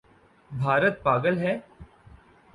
بھارت پاگل ہے؟